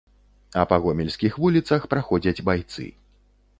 А па гомельскіх вуліцах праходзяць байцы.